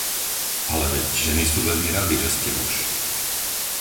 Ale veď ženy sú veľmi rady, že ste muž!